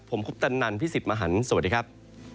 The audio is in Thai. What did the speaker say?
ผมคุปตันนันพี่สิทธิ์มหันฯสวัสดีครับ